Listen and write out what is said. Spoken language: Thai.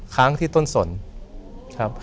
ค้างที่ต้นสนครับ